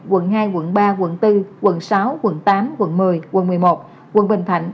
quận hai quận ba quận bốn quận sáu quận tám quận một mươi quận một mươi một quận bình thạnh